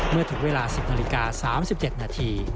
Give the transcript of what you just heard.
เมื่อถึงเวลา๑๐นาฬิกา๓๗นาที